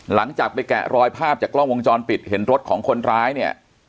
หลังจากไปแกะรอยภาพจากกล้องวงจรปิดเห็นรถของคนร้ายเนี่ย